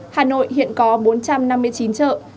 hà nội hiện có bốn trăm năm mươi chín chợ